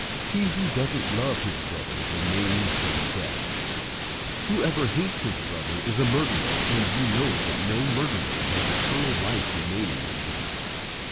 He who doesn't love his brother remains in death. 003:015 Whoever hates his brother is a murderer, and you know that no murderer has eternal life remaining in him.